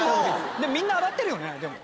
みんな洗ってるよねでも。